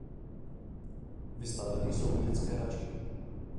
Vystaveny jsou i dětské hračky.